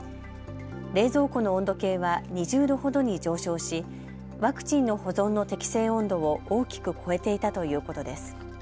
冷蔵庫の温度計は２０度ほどに上昇し、ワクチンの保存の適正温度を大きく超えていたということです。